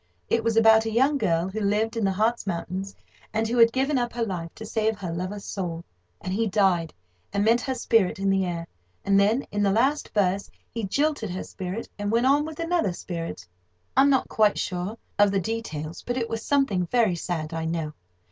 It was about a young girl who lived in the Hartz Mountains, and who had given up her life to save her lover's soul; and he died, and met her spirit in the air; and then, in the last verse, he jilted her spirit, and went on with another spirit—I'm not quite sure of the details, but it was something very sad, I know.